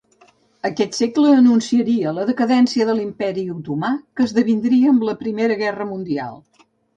Aquest segle anunciaria la decadència de l'Imperi otomà que esdevindria amb la Primera Guerra mundial.